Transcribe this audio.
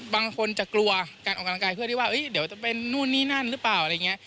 บางคนจะกลัวการออกกำลังกายเพื่อที่ว่าเดี๋ยวจะเป็นนู่นนี่นั่นหรือเปล่าอะไรอย่างนี้